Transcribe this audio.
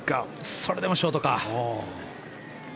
それでもショートか。